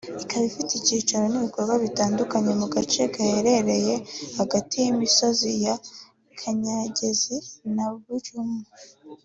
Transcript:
ikaba ifite icyicaro n’ibikorwa bitandukanye mu gace gaherereye hagati y’imisozi ya Kanyangese na Bujumo